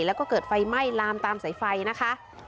แล้วก็เกิดไฟไหม้ลามตามสายไฟนะคะ